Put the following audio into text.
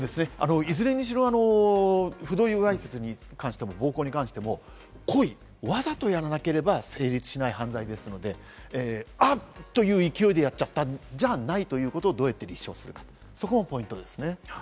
いずれにしろ、不同意わいせつに関しても暴行に関しても、故意、わざとやらなければ成立しない犯罪ですので、そういう勢いでやっちゃった、じゃないということをどうやって立証するか、そこもポイントですね。